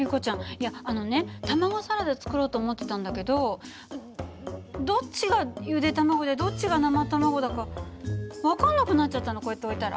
いやあのね卵サラダ作ろうと思ってたんだけどどっちがゆで卵でどっちが生卵だか分かんなくなっちゃったのこうやって置いたら。